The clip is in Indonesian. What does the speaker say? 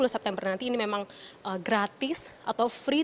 dua puluh september nanti ini memang gratis atau free